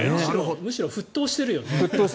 むしろ沸騰してるよね。